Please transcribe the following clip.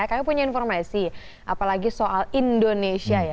kami punya informasi apalagi soal indonesia ya